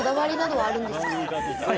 はい。